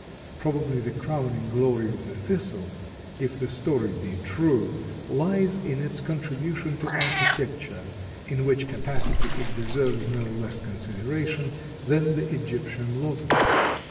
Probably the crowning glory of the Thistle, if the story be true, lies in its contribution to architecture, in which capacity it deserves no less consideration than the Egyptian lotus.